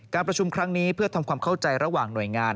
ประชุมครั้งนี้เพื่อทำความเข้าใจระหว่างหน่วยงาน